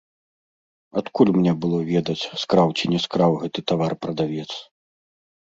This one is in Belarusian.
Адкуль мне было ведаць, скраў ці не скраў гэты тавар прадавец?